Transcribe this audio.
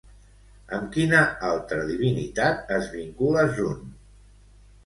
Amb quina altra divinitat es vincula Zun?